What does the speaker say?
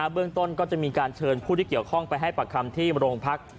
เบื้องต้นก็จะมีการเชิญผู้ที่เกี่ยวข้องไปให้ปากคำที่โรงพัก